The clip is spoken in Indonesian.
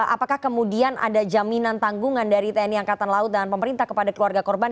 apakah kemudian ada jaminan tanggungan dari tni angkatan laut dan pemerintah kepada keluarga korban